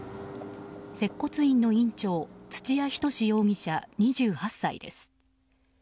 接骨院の院長土谷仁志容疑者、２８歳です。